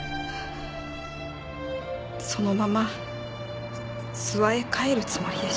「そのまま諏訪へ帰るつもりでした」